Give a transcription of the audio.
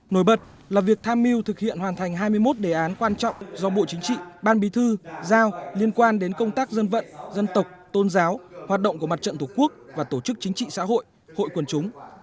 nổi bật là việc tham mưu thực hiện hoàn thành hai mươi một đề án quan trọng do bộ chính trị ban bí thư giao liên quan đến công tác dân vận dân tộc tôn giáo hoạt động của mặt trận tổ quốc và tổ chức chính trị xã hội hội quần chúng